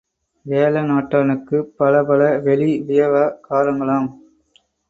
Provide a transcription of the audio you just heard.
வேழநாட்டானுக்குப் பல பல வெளி வியவகாரங்களாம்!